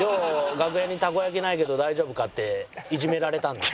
「楽屋にたこ焼きないけど大丈夫か？」っていじめられたんですよ。